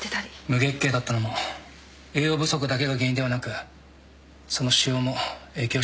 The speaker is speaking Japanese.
無月経だったのも栄養不足だけが原因ではなくその腫瘍も影響していたんでしょうね。